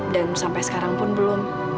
dan sampai sekarang pun belum